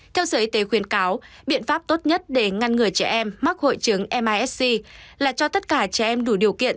theo sở y tế khuyến cáo biện pháp tốt nhất để ngăn ngừa trẻ em mắc hội chứng misc là cho tất cả trẻ em đủ điều kiện